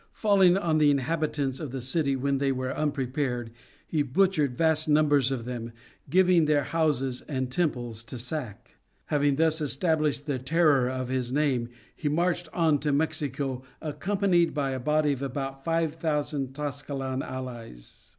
Falling on the inhabitants of the city when they were unprepared he butchered vast numbers of them, giving their houses and temples to sack. Having thus established the terror of his name he marched on to Mexico accompanied by a body of about five thousand Tlascalan allies.